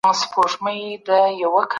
ستاسو په زړه کي به د ارامۍ مینه خپره وي.